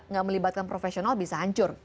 gak melibatkan profesional bisa hancur